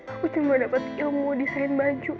aku cuma dapat ilmu desain baju